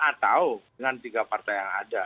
atau dengan tiga partai yang ada